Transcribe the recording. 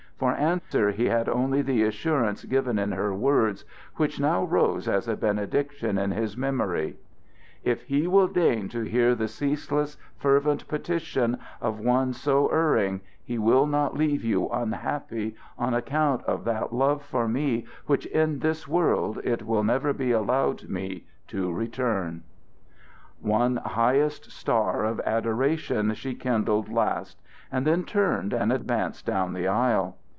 For answer he had only the assurance given in her words, which now rose as a benediction in his memory: "If He will deign to hear the ceaseless, fervent petition of one so erring, He will not leave you unhappy on account of that love for me which in this world it will never be allowed me to return." One highest star of adoration she kindled last, and then turned and advanced down the aisle.